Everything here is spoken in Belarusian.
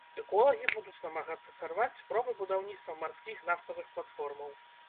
Эколагі будуць намагацца сарваць спробы будаўніцтва марскіх нафтавых платформаў.